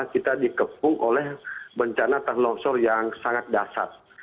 kita dikepung oleh bencana tanah longsor yang sangat dasar